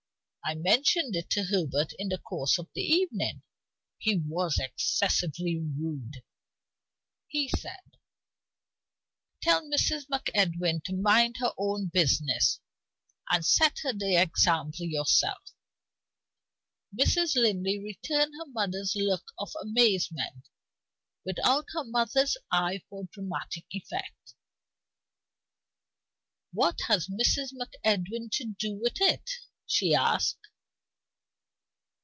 I mentioned it to Herbert in the course of the evening. He was excessively rude. He said: 'Tell Mrs. MacEdwin to mind her own business and set her the example yourself.'" Mrs. Linley returned her mother's look of amazement, without her mother's eye for dramatic effect. "What has Mrs. MacEdwin to do with it?" she asked.